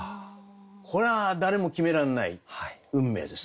これは誰も決めらんない運命ですね。